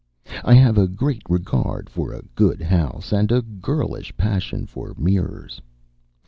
I have a great regard for a good house, and a girlish passion for mirrors.